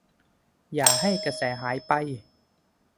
อย่าให้กระแสหายไป !